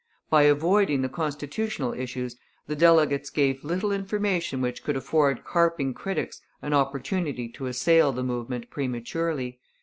By avoiding the constitutional issues the delegates gave little information which could afford carping critics an opportunity to assail the movement prematurely.